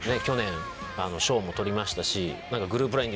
去年賞も取りましたしグループ